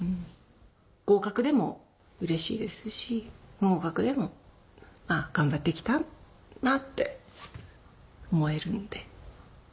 合格でもうれしいですし不合格でも頑張ってきたなって思えるので。